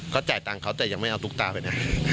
ก็จ่ายตังค์เขาแต่ยังไม่เอาตุ๊กตาไปนะ